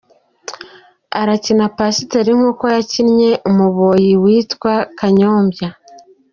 Arakina pasiteri nk’uko yakinnye umuboyi witwa Kanyombya.